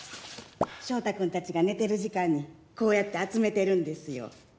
ショウタくんたちがねてる時間にこうやってあつめてるんですよ。